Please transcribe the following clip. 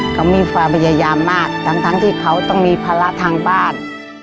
เขามีความพยายามมากทั้งที่เขาต้องมีภาระทางบ้าน